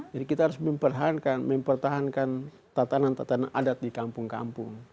jadi kita harus mempertahankan tatanan tatanan adat di kampung kampung